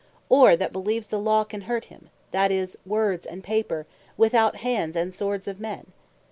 or that beleeves the Law can hurt him; that is, Words, and Paper, without the Hands, and Swords of men?